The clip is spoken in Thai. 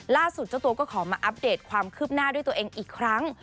เจ้าตัวก็ขอมาอัปเดตความคืบหน้าด้วยตัวเองอีกครั้ง